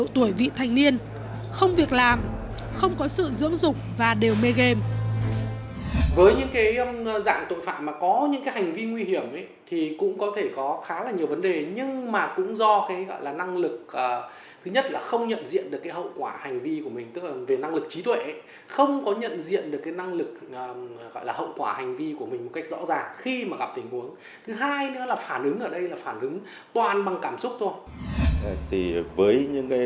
tuổi vị thành niên không việc làm không có sự dưỡng dục và đều mê game